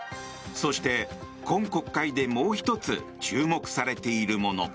そして、今国会でもう１つ、注目されているもの。